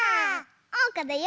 おうかだよ！